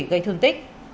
gây thương tích